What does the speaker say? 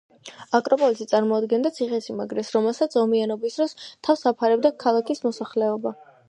აკროპოლისი წარმოადგენდა ციხესიმაგრეს, რომელსაც ომიანობის დროს თავს აფარებდა ქალაქის მოსახლეობა.